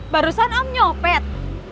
barusan am nyopet